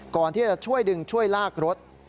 ก่อนที่จะช่วยดึงช่วยลากรถ